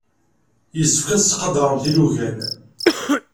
Yessefk ad tettqadaremt ilugan.